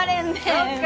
そうか。